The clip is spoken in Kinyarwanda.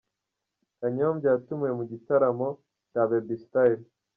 Kanyombya yatumiwe mu gitaramo cya Baby Style.